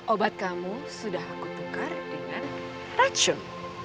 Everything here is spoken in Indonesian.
obat kamu sudah aku tukar dengan racun